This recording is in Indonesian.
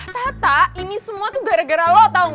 tata ini semua tuh gara gara lo tau gak